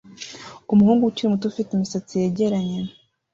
Umuhungu ukiri muto ufite imisatsi yegeranye